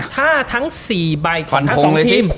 ถ้าทั้งสี่ใบขวัญทั้งสองทีม